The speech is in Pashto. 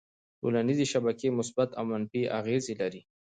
ټولنیزې شبکې مثبت او منفي اغېزې لري.